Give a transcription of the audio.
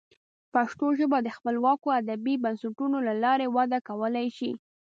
پښتو ژبه د خپلواکو ادبي بنسټونو له لارې وده کولی شي.